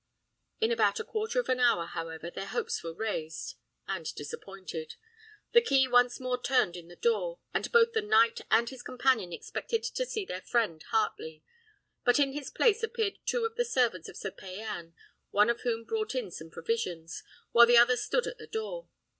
In about a quarter of an hour, however, their hopes were raised, and disappointed. The key once more turned in the door, and both the knight and his companion expected to see their friend Heartley; but in his place appeared two of the servants of Sir Payan, one of whom brought in some provisions, while the other stood at the door.